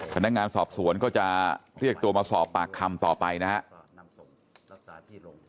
พนักงานสอบสวนก็จะเรียกตัวมาสอบปากคำต่อไปนะครับ